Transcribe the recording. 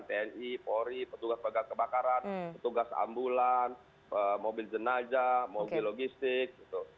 tni polri petugas petugas kebakaran petugas ambulan mobil jenazah mobil logistik